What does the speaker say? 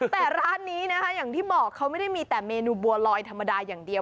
แต่ร้านนี้นะคะอย่างที่บอกเขาไม่ได้มีแต่เมนูบัวลอยธรรมดาอย่างเดียว